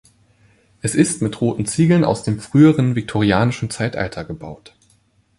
Es ist mit roten Ziegeln aus dem frühen viktorianischen Zeitalter gebaut.